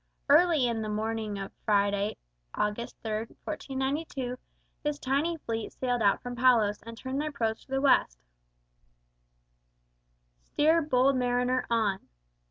Early in the morning of Friday, August 3, 1492, this tiny fleet sailed out from Palos and turned their prows to the west. STEER, BOLD MARINER, ON!